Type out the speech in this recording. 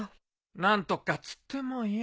何とかつってもよ。